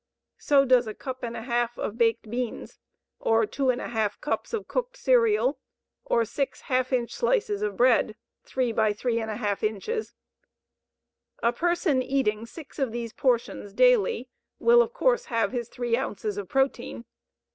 So does a cup and a half of baked beans or two and a half cups of cooked cereal or six half inch slices of bread (3 x 3½ inches). A person eating six of these portions daily will of course have his three ounces of protein.